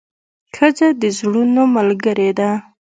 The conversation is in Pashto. ښځه د زړونو ملګرې ده.